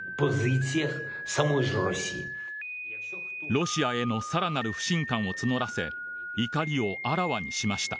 ロシアへのさらなる不信感を募らせ怒りをあらわにしました。